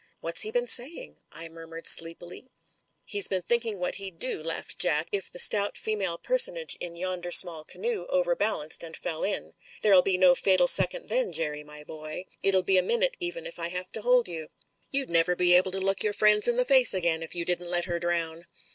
ti What's he been saying ?" I murmured sleepily. He's been thinking what he'd do,", laughed Jack, THE FATAL SECOND 103 "it the stout female personage in yonder small canoe overbalanced and fell in. There'll be no fatal second then, Jerry, my boy. It'll be a minute even if I have to hold you. You'd never be able to look yotu* friends in the face again if you didn't let her drown."